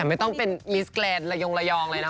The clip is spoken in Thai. ไม่ต้องเป็นมิสแกรนดระยงระยองเลยนะ